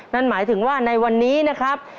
นั่นหมายถึงว่าในวันนี้นะครับ